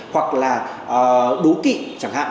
hoặc là đố kị chẳng hạn